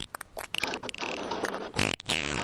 ځيني علماء وايي، چي د ستونزو په نشتون کي طلاق حرام دی.